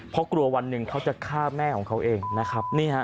เพราะกลัววันหนึ่งเขาจะฆ่าแม่ของเขาเองนะครับ